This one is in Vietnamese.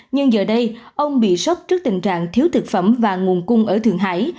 nhưng giờ đây ông bị sốc trước tình trạng thiếu thực phẩm và nguồn cung ở thượng hải